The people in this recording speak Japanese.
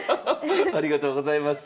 ありがとうございます。